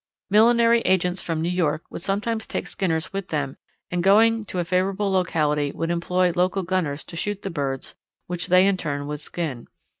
Millinery agents from New York would sometimes take skinners with them and going to a favourable locality would employ local gunners to shoot the birds which they in turn would skin.